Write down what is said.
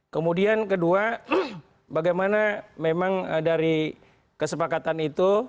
kemudian kedua bagaimana memang dari kesepakatan itu